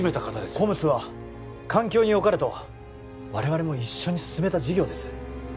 ＣＯＭＳは環境によかれと我々も一緒に進めた事業です